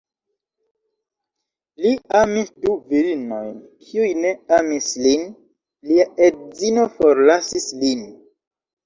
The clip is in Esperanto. Li amis du virinojn kiuj ne amis lin; lia edzino forlasis lin.